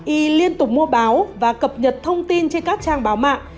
y liên tục mua báo và cập nhật thông tin trên các trang báo mạng